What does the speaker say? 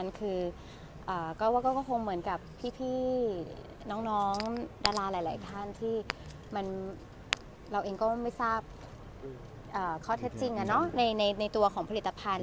คือก็คงเหมือนกับพี่น้องดาราหลายท่านที่เราเองก็ไม่ทราบข้อเท็จจริงในตัวของผลิตภัณฑ